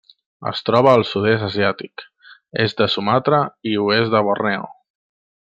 Es troba al Sud-est asiàtic: est de Sumatra i oest de Borneo.